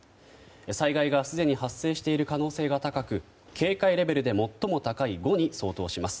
災害がすでに発生している可能性が高く警戒レベルで最も高い５に相当します。